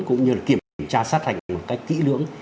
cũng như kiểm tra sát hành một cách kỹ lưỡng